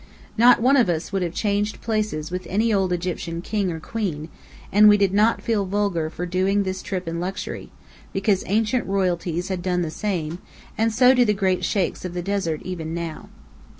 Not one of us would have changed places with any old Egyptian king or queen, and we did not feel vulgar for doing this trip in luxury, because ancient royalties had done the same, and so do the great sheikhs of the desert even now.